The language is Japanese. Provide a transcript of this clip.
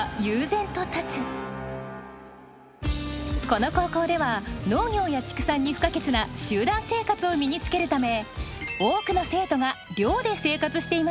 この高校では農業や畜産に不可欠な集団生活を身につけるため多くの生徒が寮で生活しています。